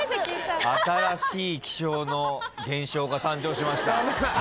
新しい気象の現象が誕生しました。